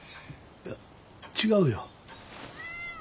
いや違うよ。